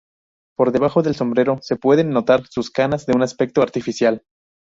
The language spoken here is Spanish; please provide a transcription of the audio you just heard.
Por debajo del sombrero se pueden notar sus canas, de un aspecto artificial.